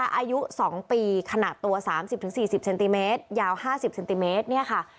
อายุสองปีขนาดตัวสามสิบถึงสี่สิบเซนติเมตรยาวห้าสิบเซนติเมตรเนี่ยค่ะ